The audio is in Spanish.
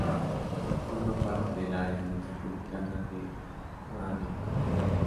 Forma parte del área metropolitana de Roanoke.